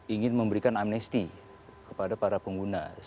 ingin memberikan amnesti kepada para pengguna